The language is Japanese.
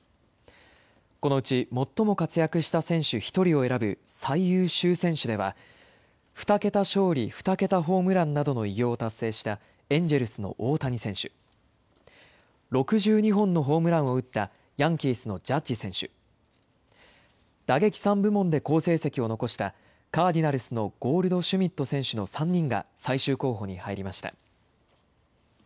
このうち、最も活躍した選手１人を選ぶ最優秀選手では、２桁勝利２桁ホームランなどの偉業を達成した、エンジェルスの大谷選手、６２本のホームランを打ったヤンキースのジャッジ選手、打撃３部門で好成績を残したカーディナルスのゴールドシュミット選手の３人が最終候補に入りました。